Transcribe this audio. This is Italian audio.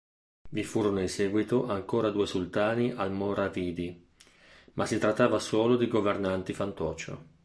Vi furono in seguito ancora due sultani almoravidi, ma si trattava solo di governanti-fantoccio.